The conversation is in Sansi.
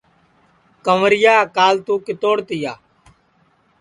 کنٚورِیا کال تُوں کِتوڑ تِیا